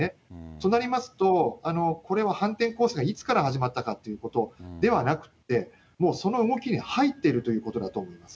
となりますと、これは反転攻勢がいつから始まったかっていうことではなくて、もうその動きに入っているということだと思います。